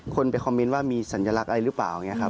คนไปคอมเมนต์ว่ามีสัญลักษณ์อะไรหรือเปล่าอย่างนี้ครับ